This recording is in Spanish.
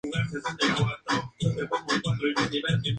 Se encuentra en Túnez y Marruecos.